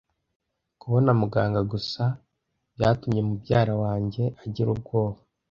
Kubona umuganga gusa byatumye mubyara wanjye agira ubwoba.